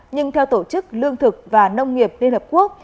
nhưng theo tổ chức lương thực và nông nghiệp liên hợp quốc